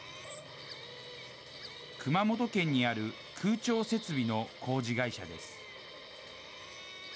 熊本県にある空調設備の工事会社です。